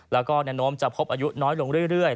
และแนะนมจะพบอายุน้อยลงเรื่อย